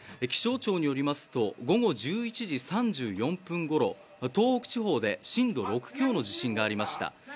気象庁によりますと午後１１時３４分ごろ東北地方で震度６強の地震がありました。